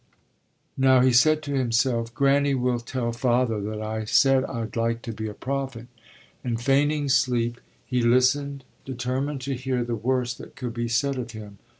Now, he said to himself, Granny will tell Father that I said I'd like to be a prophet. And feigning sleep he listened, determined to hear the worst that could be said of him.